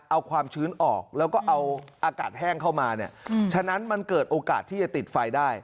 เอาความชื้นออกแล้วก็เอาอากาศแห้งเข้ามาเนี่ยฉะนั้นมันเกิดโอกาสที่จะติดไฟได้